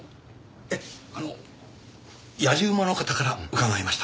ええあの野次馬の方から伺いました。